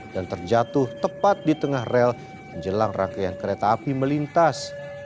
terjatuh tepat di tengah rel menjelang rangkaian kereta api melintas